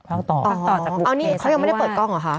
อันนี้เขายังไม่ได้เปิดกล้องเหรอคะ